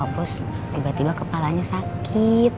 tiba tiba kepalanya sakit